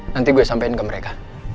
nanti gue sampaikan ke mereka